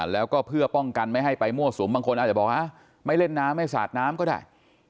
แล้วก็เพื่อป้องกันไม่ให้ไปมั่วสุมบางคนอาจจะบอกว่าไม่เล่นน้ำไม่สาดน้ำก็ได้